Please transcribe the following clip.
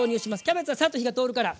キャベツはサッと火が通るから。